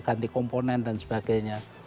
ganti komponen dan sebagainya